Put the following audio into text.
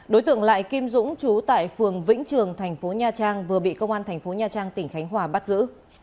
đối tượng lại kim dũng chú tại phường vĩnh trường thành phố nha trang vừa bị công an thành phố nha trang tỉnh khánh hòa bắt giữ